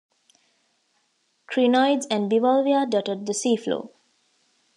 Crinoids and bivalvia dotted the seafloor.